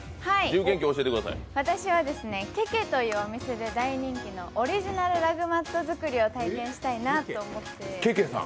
私はＫＥＫＥというお店で大人気のオリジナルラグマット作りを体験したいなと思って。